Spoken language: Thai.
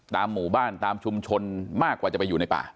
หมู่บ้านตามชุมชนมากกว่าจะไปอยู่ในป่า